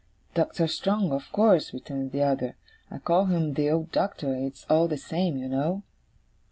'Doctor Strong, of course,' returned the other; 'I call him the old Doctor; it's all the same, you know.